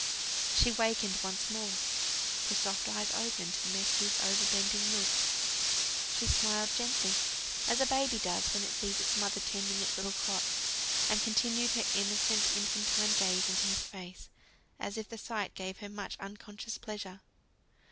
She wakened once more; her soft eyes opened, and met his over bending look. She smiled gently, as a baby does when it sees its mother tending its little cot; and continued her innocent, infantine gaze into his face, as if the sight gave her much unconscious pleasure.